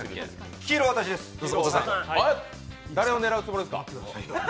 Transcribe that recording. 誰を狙うつもりですか？